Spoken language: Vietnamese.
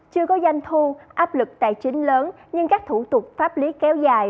chưa có doanh thu áp lực tài chính lớn nhưng các thủ tục pháp lý kéo dài